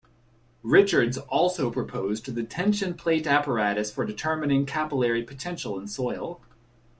Richards also proposed the tension plate apparatus for determining capillary potential in soil.